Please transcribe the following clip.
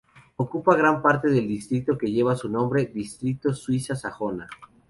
Ocupa gran parte del distrito que lleva su nombre: Distrito Suiza Sajona.